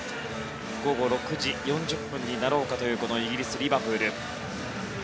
午後６時４０分になろうかというイギリスのリバプール。